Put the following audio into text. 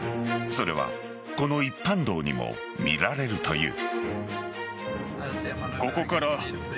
それはこの一般道にも見られるという。